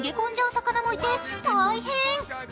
魚もいて大変。